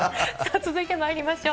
続いてまいりましょう。